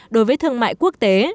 đối với thương mại quốc tế